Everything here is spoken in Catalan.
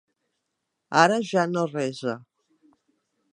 Ara ja no resa.